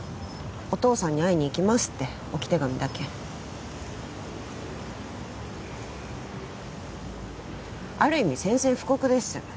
お義父さんに会いにいきますって置き手紙だけある意味宣戦布告です